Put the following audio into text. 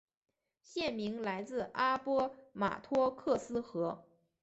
县名来自阿波马托克斯河。